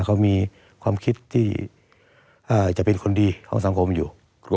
เขามีความคิดที่จะเป็นคนดีของสังคมอยู่